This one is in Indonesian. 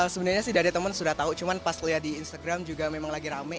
sebenarnya sih dari teman sudah tahu cuman pas lihat di instagram juga memang lagi rame